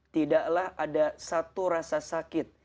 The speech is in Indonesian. tidaklah ada satu rasa sakit